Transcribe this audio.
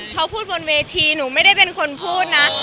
เขาพูดบนเวทีหนูไม่ได้เป็นคนพูดนะ